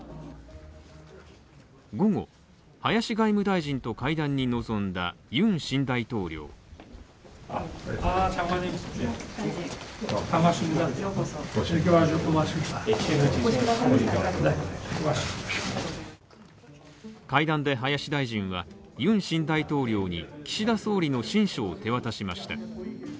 午後、林外務大臣と会談に臨んだユン新大統領会談で林大臣はユン新大統領に岸田総理の親書を手渡しました。